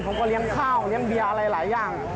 ผมก็เลี้ยงข้าวเลี้ยงเบียร์อะไรหลายอย่าง